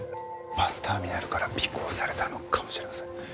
バスターミナルから尾行されたのかもしれません。